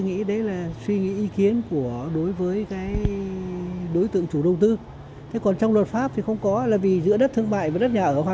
nếu một chủ đầu tư đủ mạnh